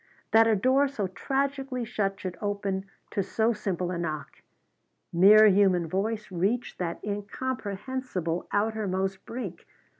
That a door so tragically shut should open to so simple a knock! Mere human voice reach that incomprehensible outermost brink!